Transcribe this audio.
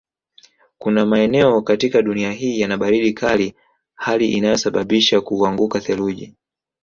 Kuna maeneo katika dunia hii yana baridi kali hali inayosabisha kuanguka theluji